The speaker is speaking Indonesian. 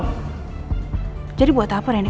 bukannya maksa bilang udah mau jujur sama aku